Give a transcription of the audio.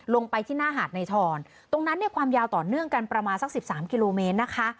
ลงไปที่หน้าหาดในทรตรงนั้นเนี่ยความยาวต่อเนื่องกันประมาณสักสิบสามกิโลเมตรนะคะ